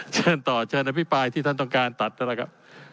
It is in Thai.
เชิญต่อเชิญนะพี่ปลายที่ท่านต้องการตัดแล้วล่ะครับ